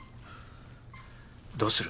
どうする？